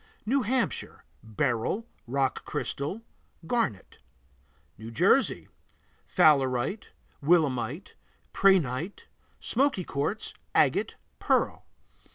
New Hampshire Beryl, rock crystal, garnet. New Jersey Fowlerite, willemite, prehnite, smoky quartz, agate, pearl.